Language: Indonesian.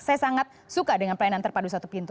saya sangat suka dengan pelayanan terpadu satu pintu